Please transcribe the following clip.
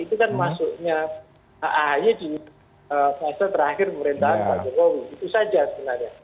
itu kan masuknya aah nya di fase terakhir pemerintahan pak jokowi gitu saja sebenarnya